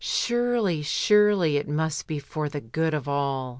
Surely, surely, it must be for the good of all.